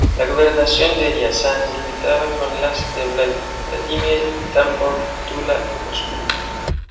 La gobernación de Riazán limitaba con las de Vladímir, Tambov, Tula y Moscú.